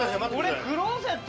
これクローゼット？